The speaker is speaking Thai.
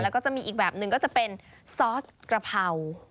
แล้วก็จะมีอีกแบบหนึ่งก็จะเป็นซอสกระเพรา